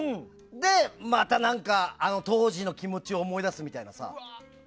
で、また何か当時の気持ちを思い出すみたいなさ。